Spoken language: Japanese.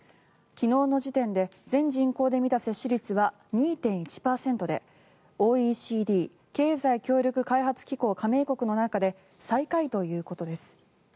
昨日の時点で全人口で見た接種率は２．１％でＯＥＣＤ・経済協力開発機構加盟国の中で最下位ということです。